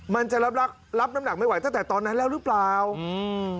มันจะรับรับน้ำหนักไม่ไหวตั้งแต่ตอนนั้นแล้วหรือเปล่าอืม